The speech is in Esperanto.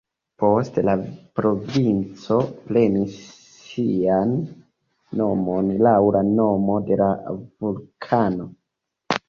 Poste la provinco prenis sian nomon laŭ la nomo de la vulkano.